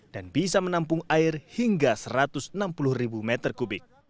dan bisa menampung air hingga satu ratus enam puluh ribu meter kubik